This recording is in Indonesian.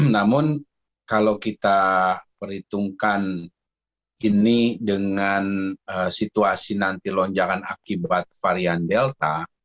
namun kalau kita perhitungkan ini dengan situasi nanti lonjakan akibat varian delta